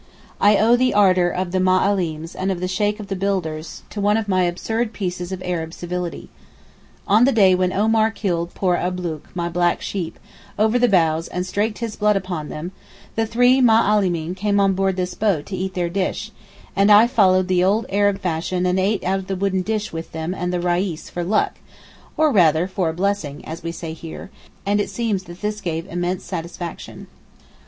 I owe the ardour of the Ma allims and of the Sheykh of the builders to one of my absurd pieces of Arab civility. On the day when Omar killed poor Ablook, my black sheep, over the bows and 'straked' his blood upon them, the three Ma allimeen came on board this boat to eat their dish, and I followed the old Arab fashion and ate out of the wooden dish with them and the Reis 'for luck,' or rather 'for a blessing' as we say here; and it seems that this gave immense satisfaction.